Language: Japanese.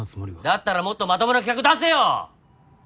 だったらもっとまともな企画出せよ！